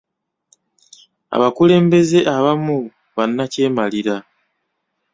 Abakulembeze abamu bannakyemalira.